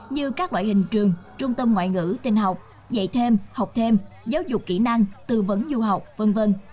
như các loại hình trường trung tâm ngoại ngữ tình học dạy thêm học thêm giáo dục kỹ năng tư vấn du học v v